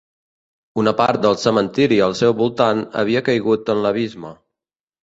Una part del cementiri al seu voltant havia caigut en l'abisme.